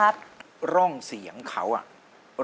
รักคุณเสียยิ่งกว่าใคร